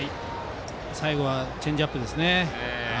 最後はチェンジアップですね。